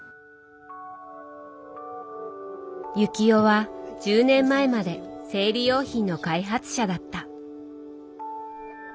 幸男は１０年前まで生理用品の開発者だった。